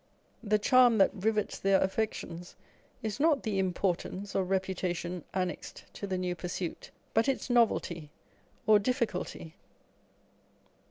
The charm that rivets their affections is not the ' importance or reputation annexed to the new pursuit, but its novelty or difficulty.